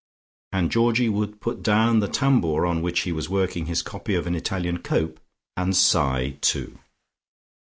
And Georgie would put down the tambour on which he was working his copy of an Italian cope and sigh too.